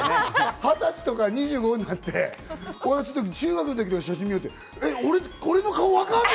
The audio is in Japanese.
二十歳とか２５になって中学の時の写真見ると、俺の顔わかんねぇ！